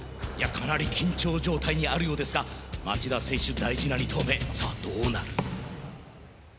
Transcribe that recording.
かなり緊張状態にあるようですが町田選手大事な２投目さあどうなる？